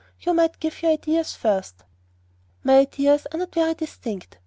"You might give your ideas first." "My ideas are not very distinct.